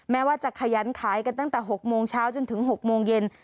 แม้ว่าจะขยันขายกันตั้งแต่๖โมงเช้าจนถึง๖โมงเย็น